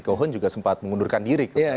yang mengundurkan diri kemudian